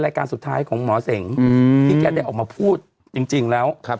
รายการสุดท้ายของหมอเสงที่แกได้ออกมาพูดจริงแล้ว